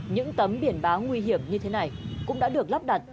những tấm biển báo nguy hiểm như thế này cũng đã được lắp đặt